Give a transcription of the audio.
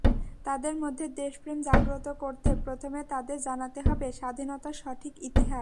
তাদের মধ্যে দেশপ্রেম জাগ্রত করতে প্রথমে তাদের জানাতে হবে স্বাধীনতার সঠিক ইতিহাস।